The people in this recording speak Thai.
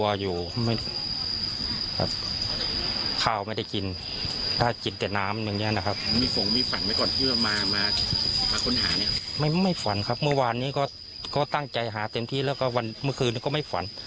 วันนี้ก็ตั้งใจหาเต็มที่แล้วก็เมื่อคืนนี้ก็ไม่ฝัน